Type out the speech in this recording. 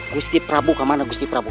gusti prabu kemana gusti prabu